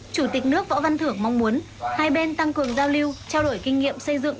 chủ tịch nước võ văn thưởng mong muốn hai bên tăng cường giao lưu trao đổi kinh nghiệm xây dựng